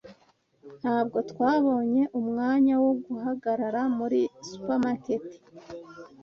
Ntabwo twabonye umwanya wo guhagarara muri supermarket.